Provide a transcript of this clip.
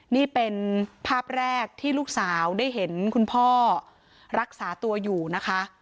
นี่เป็นภาพแรกที่ลูกสาวได้เห็นคุณพ่อรักษาตัวอยู่นะคะ